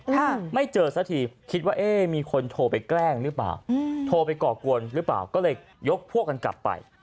ค่ะไม่เจอสักทีคิดว่าเอ๊ะมีคนโทรไปแกล้งหรือเปล่าอืมโทรไปก่อกวนหรือเปล่าก็เลยยกพวกกันกลับไป